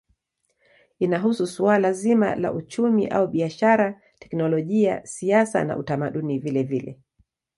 Inahusu suala zima la uchumi au biashara, teknolojia, siasa na utamaduni vilevile.